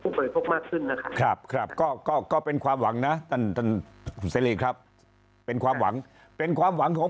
ผู้บริโภคมากขึ้นนะครับครับก็ก็ก็เป็นความหวังนะครับเป็นความหวังเป็นความหวังของ